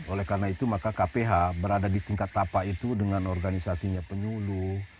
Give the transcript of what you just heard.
oleh karena itu maka kph berada di tingkat tapa itu dengan organisasinya penyuluh